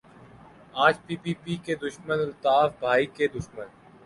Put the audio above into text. آج P P P کے دشمن الطاف بھائی کے دشمن